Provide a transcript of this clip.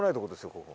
ここ。